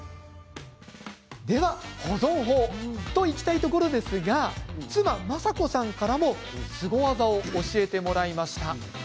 では、保存法といきたいところですが妻、真子さんからもスゴ技を教えてもらいました。